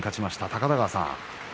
高田川さん